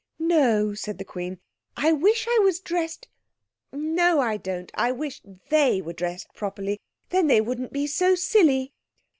"No," said the Queen. "I wish I was dressed—no, I don't—I wish they were dressed properly, then they wouldn't be so silly."